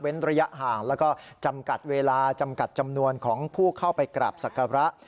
ระยะห่างแล้วก็จำกัดเวลาจำกัดจำนวนของผู้เข้าไปกราบศักระ